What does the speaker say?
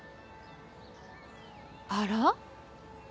あら？